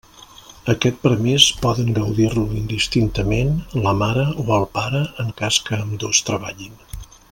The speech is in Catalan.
Aquest permís poden gaudir-lo indistintament la mare o el pare en cas que ambdós treballin.